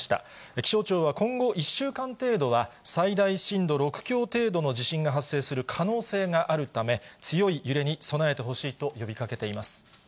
気象庁は、今後１週間程度は、最大震度６強程度の地震が発生する可能性があるため、強い揺れに備えてほしいと呼びかけています。